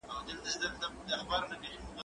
زه به سبا د ښوونځی لپاره تياری وکړم،